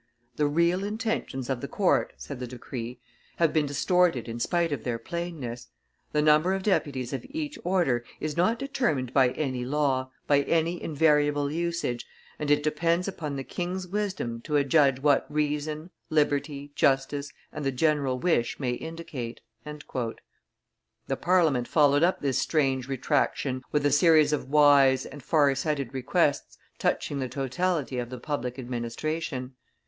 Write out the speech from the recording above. "The real intentions of the court," said the decree, "have been distorted in spite of their plainness. The number of deputies of each order is not determined by any law, by any invariable usage, and it depends upon the king's wisdom to adjudge what reason, liberty, justice, and the general wish may indicate." The Parliament followed up this strange retractation with a series of wise and far sighted requests touching the totality of the public administration.